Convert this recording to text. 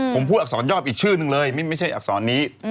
ผมพูดอักษรยอบอีกชื่อนึงเลยไม่ใช่อักษรนี้